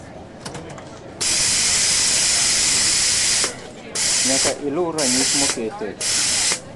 Nyaka iluw ranyisi moket e